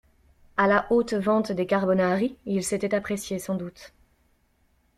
A la Haute Vente des carbonari, ils s'étaient appréciés, sans doute.